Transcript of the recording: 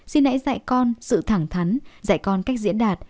xin hãy dạy con sự thẳng thắn dạy con cách diễn đạt